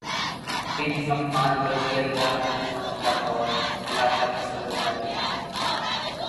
بن Affan رضی اللہ عنہ کا دور خلافت وہ تاریخی